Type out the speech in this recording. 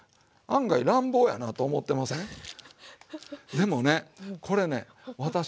でもねこれね私ね